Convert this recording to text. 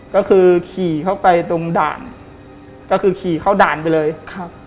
ก็คือขี่เข้าไปตรงด่านก็คือขี่เข้าด่านไปเลยครับ